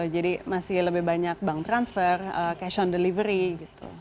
jadi masih lebih banyak bank transfer cash on delivery gitu